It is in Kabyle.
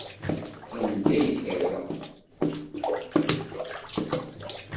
Anda i terra?